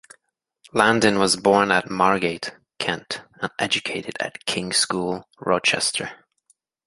Landen was born at Margate, Kent and educated at King's School, Rochester.